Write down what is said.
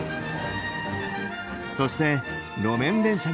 そして路面電車にも。